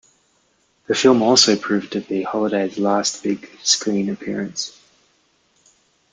The film also proved to be Holliday's last big screen appearance.